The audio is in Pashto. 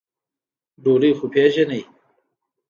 ډولۍ خو پېژنې؟